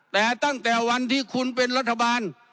แต่ตั้งแต่วันที่คุณเป็นรัฐบาล